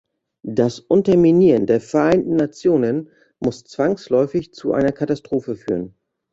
Das Unterminieren der Vereinten Nationen muss zwangsläufig zu einer Katastrophe führen.